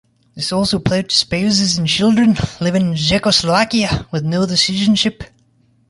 This also applied to spouses and children living in Czechoslovakia with no other citizenship.